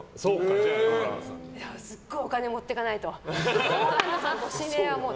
すごいお金を持っていかないと。